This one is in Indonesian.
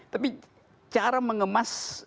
tapi cara mengemas